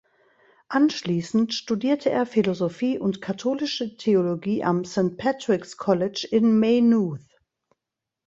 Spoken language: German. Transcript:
Anschließend studierte er Philosophie und Katholische Theologie am St Patrick’s College in Maynooth.